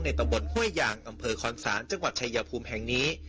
ตำบลห้วยยางอำเภอคอนศาลจังหวัดชายภูมิแห่งนี้